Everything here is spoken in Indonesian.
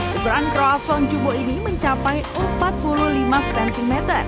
keberan kroasion jumbo ini mencapai empat puluh lima cm